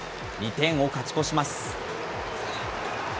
２点を勝ち越します。